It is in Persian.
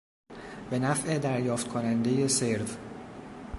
به نفع دریافت کنندهی سرو